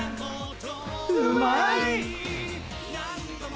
うまい。